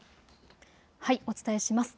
お伝えします。